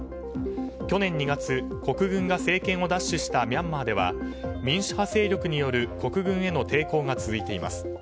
去年２月、国軍が政権を奪取したミャンマーでは民主派勢力による国軍への抵抗が続いています。